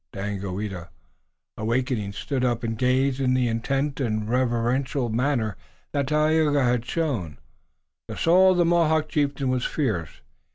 Daganoweda, awaking, stood up and gazed in the intent and reverential manner that Tayoga had shown. The soul of the Mohawk chieftain was fierce.